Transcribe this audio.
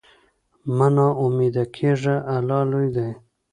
مه نا امیده کېږه، الله لوی دی.